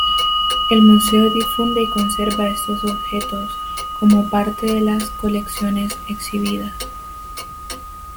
El Museo difunde y conserva estos objetos como parte de las colecciones exhibidas.